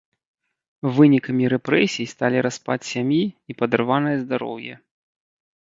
Вынікамі рэпрэсій сталі распад сям'і і падарванае здароўе.